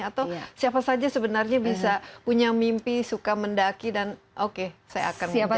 atau siapa saja sebenarnya bisa punya mimpi suka mendaki dan oke saya akan mencoba